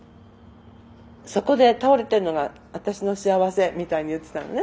そこで倒れてるのが私の幸せみたいに言ってたのね。